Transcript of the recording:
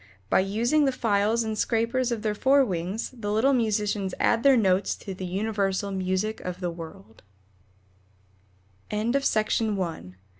By using the files and scrapers of their fore wings the little musicians add their notes to the universal music of the world ELLANORA KINSLEY MARBLE.